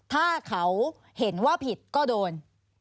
ถ้าเขาเห็นว่าผิดก็โดน